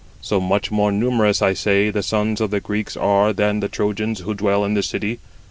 86 So much more numerous, I say, the sons of the Greeks are than the Trojans who dwell in the city.